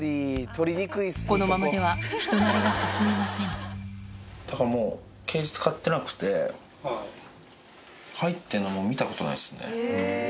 このままでは、だからもう、ケージ使ってなくて、入ってるのも見たことないですね。